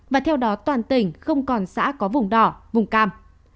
và theo đó toàn tỉnh không còn xã có vùng đỏ vùng cam